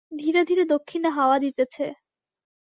ধীরে ধীরে দক্ষিণে হাওয়া দিতেছে।